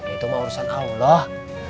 itu mau urusan allah